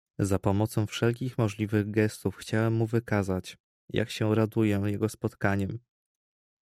"Za pomocą wszelkich możliwych gestów chciałem mu wykazać, jak się raduję jego spotkaniem."